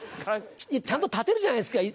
ちゃんと立てるじゃないですか！